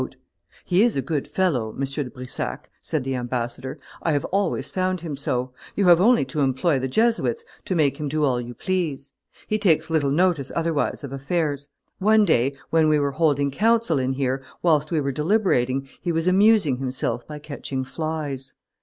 "He is a good fellow, M. de Brissac," said the ambassador; "I have always found him so; you have only to employ the Jesuits to make him do all you please. He takes little notice, otherwise, of affairs; one day, when we were holding council in here, whilst we were deliberating, he was amusing himself by catching flies."